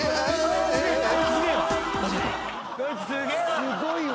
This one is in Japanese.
すごいわ。